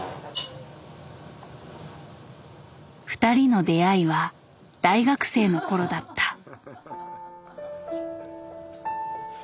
２人の出会いは大学生の頃だった。